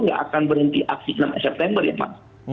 nggak akan berhenti aksi enam september ya mas